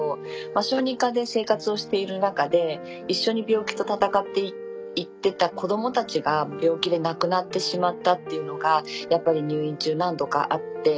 小児科で生活をしている中で一緒に病気と闘って行ってた子供たちが病気で亡くなってしまったっていうのがやっぱり入院中何度かあって。